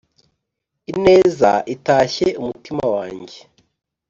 ineza itashye umutima wanjye